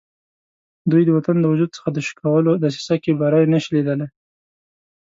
دوی د وطن د وجود څخه د شکولو دسیسه کې بری نه شي لیدلای.